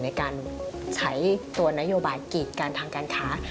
ในการใช้ตัวนโยบายกีดกันทางการค้า